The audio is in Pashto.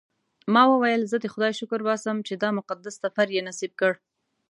ما وویل زه د خدای شکر باسم چې دا مقدس سفر یې نصیب کړ.